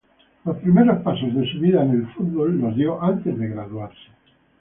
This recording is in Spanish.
Los primeros pasos de su vida en el fútbol los dio antes de graduarse.